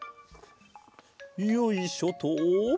よいしょと。